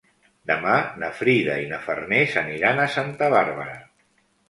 Demà na Frida i na Farners aniran a Santa Bàrbara.